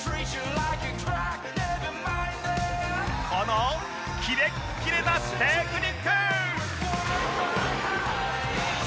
このキレッキレなテクニック！